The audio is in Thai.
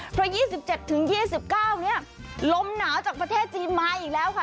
เพราะยี่สิบเจ็ดถึงยี่สิบเก้านี้ลมหนาวจากประเทศจีนมาอีกแล้วค่ะ